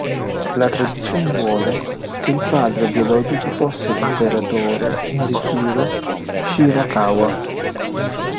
La tradizione vuole che il padre biologico fosse l'Imperatore in ritiro Shirakawa.